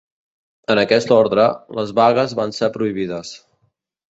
En aquest ordre, les vagues van ser prohibides.